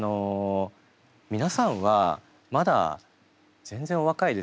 皆さんはまだ全然お若いですよね？